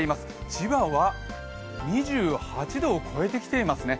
千葉は２８度を超えてきてますね。